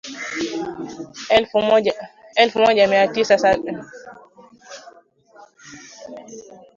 Elfu Moja Mia tisa sitini na saba , Idhaa ya Kiswahili ya Sauti ya Amerika ilizindua matangazo ya moja kwa moja kutoka studio zake mjini Washington wilaya ya kolumbia